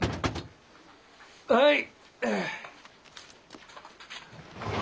はい。